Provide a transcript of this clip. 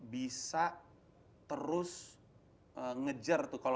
bisa terus ngejar tuh